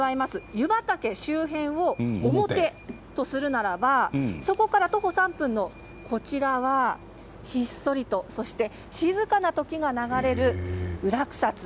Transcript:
湯畑周辺を表とするならばそこから徒歩３分のこちらはひっそりと、そして静かな時が流れる裏草津。